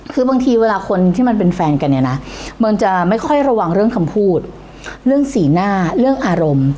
คือบางทีเวลาคนที่มันเป็นแฟนกันเนี่ยนะมันจะไม่ค่อยระวังเรื่องคำพูดเรื่องสีหน้าเรื่องอารมณ์